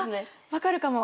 分かるかも。